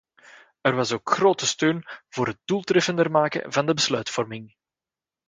Er was ook grote steun voor het doeltreffender maken van de besluitvorming.